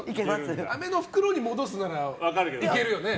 あめの袋に戻すならいけるよね。